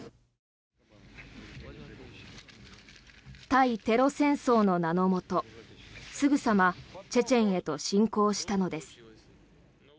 対テロ戦争の名のもとすぐさまチェチェンへと侵攻したのです。